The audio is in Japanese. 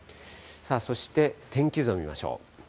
そして天気図を見ましょう。